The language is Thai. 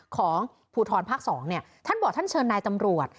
ของภูทรภาค๒ท่านบอกท่านเชิญนายตำรวจ